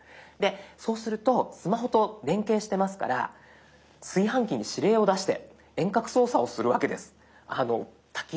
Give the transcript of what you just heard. そうするとスマホと連携してますから炊飯器に指令を出して遠隔操作をするわけです。